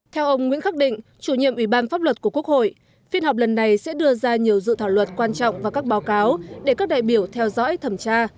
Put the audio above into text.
theo ông nguyễn khắc định chủ nhiệm ủy ban pháp luật của quốc hội phiên họp lần này sẽ đưa ra nhiều dự thảo luật quan trọng và các báo cáo để các đại biểu theo dõi thẩm tra